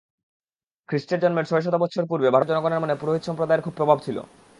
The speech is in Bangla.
খ্রীষ্টের জন্মের ছয়শত বৎসর পূর্বে ভারতীয় জনগণের মনে পুরোহিত সম্প্রদায়ের খুব প্রভাব ছিল।